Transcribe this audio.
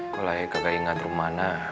kalau ayah gak ingat rumana